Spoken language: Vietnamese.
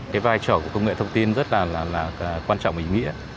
cái vai trò của công nghệ thông tin rất là là quan trọng ý nghĩa